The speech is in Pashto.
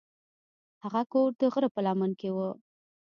هغه کور د غره په لمن کې و.